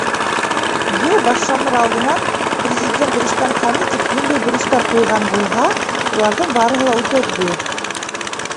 — Йыл башланыр алдынан Президент Рөстәм Хәмитов ниндәй бурыстар ҡуйған булһа, уларҙың барыһы ла үтәлде.